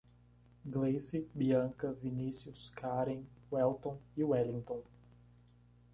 Gleice, Bianca, Vinicios, Karen, Welton e Wellinton